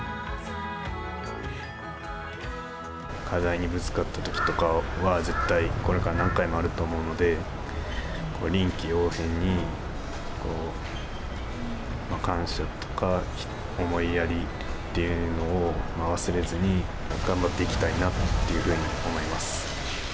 課題にぶつかった時とかは絶対これから何回もあると思うので臨機応変に感謝とか思いやりっていうのを忘れずに頑張っていきたいなっていうふうに思います。